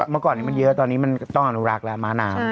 เมื่อก่อนนี้มันเยอะตอนนี้มันก็ต้องอนุรักษ์แล้วม้าน้ำ